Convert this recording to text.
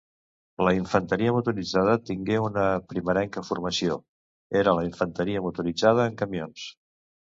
La Infanteria motoritzada tingué una primerenca formació, era la infanteria motoritzada en camions.